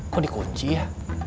kok dikunci ya